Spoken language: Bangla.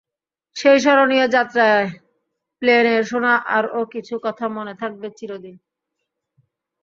সেই স্মরণীয় যাত্রায় প্লেনে শোনা আরও কিছু কথা মনে থাকবে চিরদিন।